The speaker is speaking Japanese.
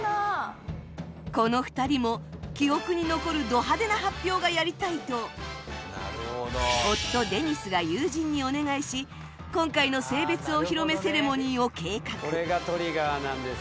この２人も記憶に残るド派手な発表がやりたいと夫・デニスが友人にお願いし今回の性別お披露目セレモニーを計画